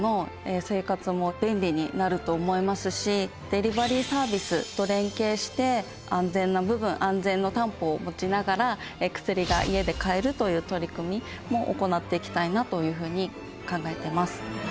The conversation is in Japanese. デリバリーサービスと連携して安全な部分安全の担保を持ちながら薬が家で買えるという取り組みも行っていきたいなというふうに考えてます。